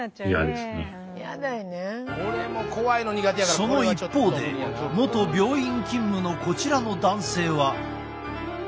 その一方で元病院勤務のこちらの男性は。